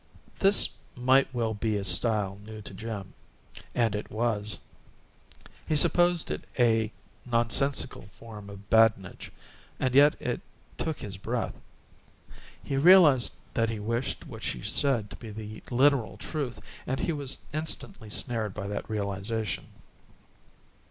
This might well be a style new to Jim; and it was. He supposed it a nonsensical form of badinage, and yet it took his breath. He realized that he wished what she said to be the literal truth, and he was instantly snared by that realization.